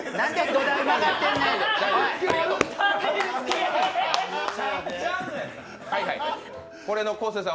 土台曲がってんねん！